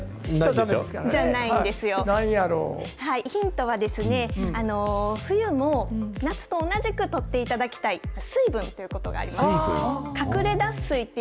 ヒントは冬も夏と同じく、とっていただきたい水分ということ水分？